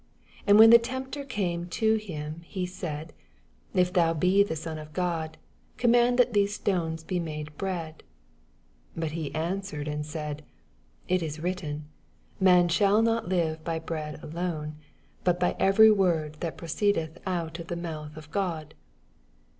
5 And when the tempter came to him, he said, If thou be the Son of God, command that these stones be made bread. 4 Bat he answered and said. It is written, Man shall not live by oread alone, but by every word that pro ceedeth out of the mouth of God.